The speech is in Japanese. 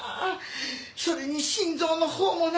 それに心臓のほうもな。